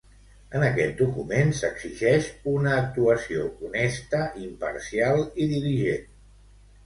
En aquest document s'exigeix una actuació "honesta, imparcial i diligent".